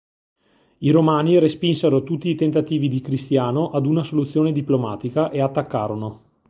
I romani respinsero tutti i tentativi di Cristiano ad una soluzione diplomatica e attaccarono.